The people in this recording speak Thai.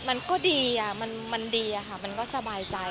มันก็ดีมันดีอะค่ะมันก็สบายใจ